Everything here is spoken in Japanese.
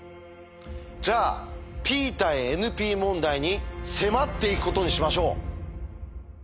じゃあＰ対ＮＰ問題に迫っていくことにしましょう。